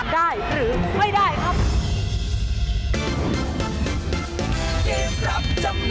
ได้หรือไม่ได้ครับ